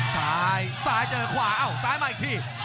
ซ้ายซ้ายเจอขวาเอ้าซ้ายมาอีกที